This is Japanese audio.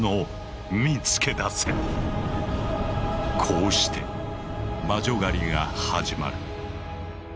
こうして魔女狩りが始まる。